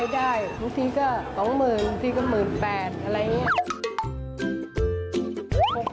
ได้บางทีก็๒๐๐๐บางทีก็๑๘๐๐๐อะไรอย่างนี้